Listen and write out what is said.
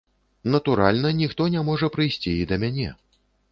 Натуральна, ніхто не можа прыйсці і да мяне.